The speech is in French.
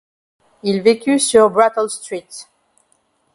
Il vécut sur Brattle Street.